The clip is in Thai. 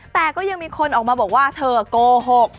แต่ก็ยังมีคนออกมาบอกว่าเธอโกหก